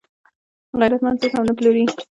غیرتمند څوک هم نه پلوري